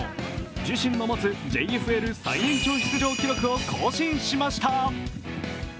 自身の持つＪＦＬ最年長出場記録を更新しました。